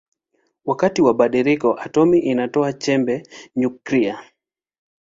Wakati wa badiliko atomi inatoa chembe nyuklia.